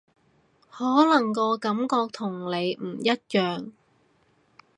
可能個感覺同你唔一樣